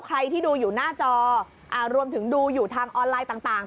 ใครที่ดูอยู่หน้าจอรวมถึงดูอยู่ทางออนไลน์ต่าง